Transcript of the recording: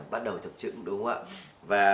bắt đầu chụp chữ đúng không ạ